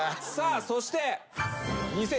さあそして。